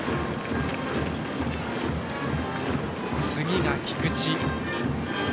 次が菊地。